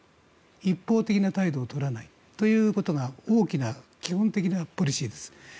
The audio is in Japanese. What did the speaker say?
一方的な態度を取らないということが大きな基本的なポリシーです。